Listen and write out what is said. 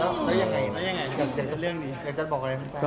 เออแล้วยังไงอยากจะบอกอะไรให้พี่แฟน